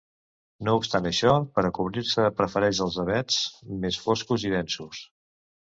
No obstant això, per a cobrir-se prefereix els avets més foscos i densos.